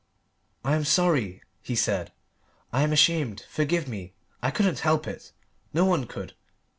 "I am sorry," he said. "I am ashamed. Forgive me. I couldn't help it. No one could.